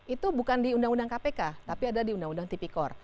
itu bukan di undang undang kpk tapi ada di undang undang tipikor